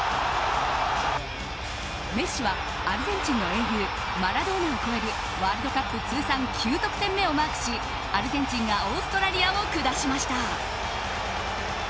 メッシはアルゼンチンの英雄マラドーナを超えるワールドカップ通算９得点目をマークしアルゼンチンがオーストラリアを下しました。